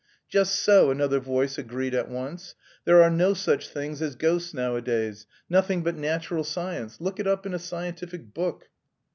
"Just so," another voice agreed at once. "There are no such things as ghosts nowadays, nothing but natural science. Look it up in a scientific book."